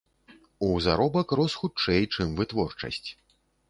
У заробак рос хутчэй, чым вытворчасць.